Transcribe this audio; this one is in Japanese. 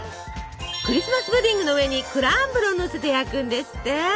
クリスマス・プディングの上にクランブルをのせて焼くんですって！